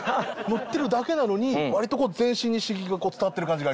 乗ってるだけなのに割とこう全身に刺激が伝わってる感じがあります。